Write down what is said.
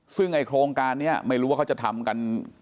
ซึ่งไอ้โครงการนี้ไม่รู้ว่าเขาจะทำกัน